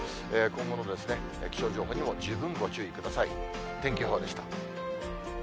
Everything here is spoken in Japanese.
今後の気象情報にも十分ご注意ください。